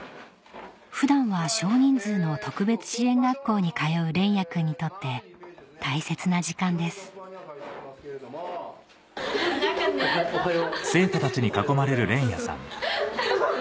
普段は少人数の特別支援学校に通う連也君にとって大切な時間です・おはよう・おはようございます。